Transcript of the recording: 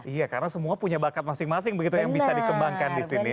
iya karena semua punya bakat masing masing begitu yang bisa dikembangkan di sini